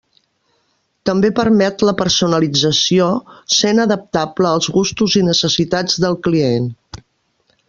També permet la personalització, sent adaptable als gustos i necessitats del client.